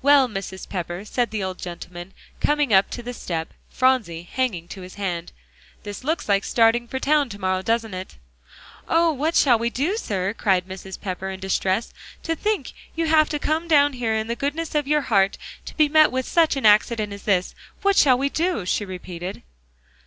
"Well, Mrs. Pepper," said the old gentleman, coming up to the step, Phronsie hanging to his hand, "this looks like starting for town to morrow, doesn't it?" "Oh! what shall we do, sir?" cried Mrs. Pepper, in distress. "To think you have come down here in the goodness of your heart, to be met with such an accident as this. What shall we do?" she repeated.